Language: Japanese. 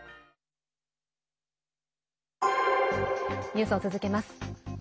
ニュースを続けます。